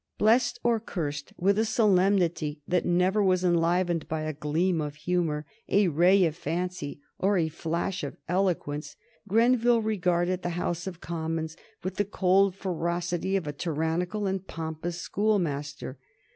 Blessed or cursed with a solemnity that never was enlivened by a gleam of humor, a ray of fancy, or a flash of eloquence, Grenville regarded the House of Commons with the cold ferocity of a tyrannical and pompous schoolmaster.